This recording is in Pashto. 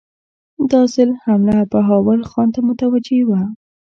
دا ځل حمله بهاول خان ته متوجه وه.